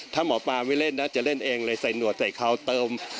ถ้าหมอปลาไม่เล่นนะจะเล่นเองเลยใส่หนวดใส่เขาเติม